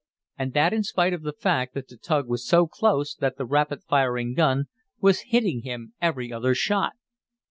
And that in spite of the fact that the tug was so close that the rapid firing gun was hitting him every other shot!